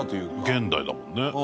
現代だもんね。